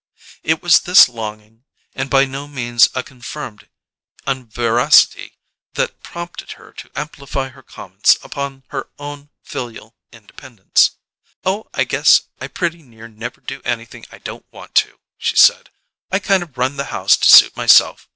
It was this longing, and by no means a confirmed unveracity, that prompted her to amplify her comments upon her own filial independence. "Oh, I guess I pretty near never do anything I don't want to," she said. "I kind of run the house to suit myself.